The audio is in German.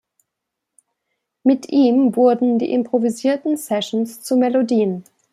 Mit ihm wurden die improvisierten Sessions zu Melodien.